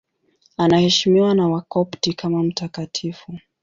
Anaheshimiwa na Wakopti kama mtakatifu.